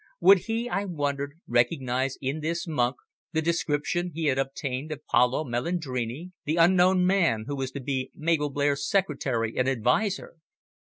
Would he, I wondered, recognise in this monk the description he had obtained of Paolo Melandrini, the unknown man who was to be Mabel Blair's secretary and adviser?